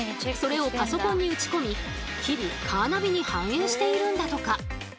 それをパソコンに打ち込み日々カーナビに反映しているんだとか。